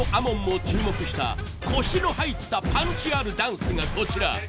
門も注目した腰の入ったパンチあるダンスがこちら。